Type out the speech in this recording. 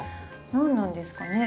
何なんですかね？